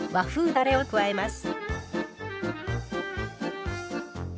だれを加えます。